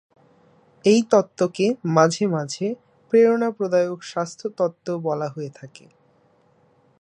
এই তত্ত্বকে মাঝে মাঝে "প্রেরণা প্রদায়ক-স্বাস্থ্য তত্ত্ব" বলা হয়ে থাকে।